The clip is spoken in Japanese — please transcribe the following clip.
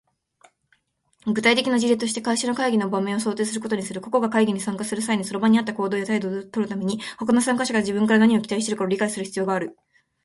具体的な事例として、会社の会議の場面を想定することにする。個々が会議に参加する際に、その場に合った行動や態度をとるために、他の参加者が自分から何を期待しているかを理解する必要がある。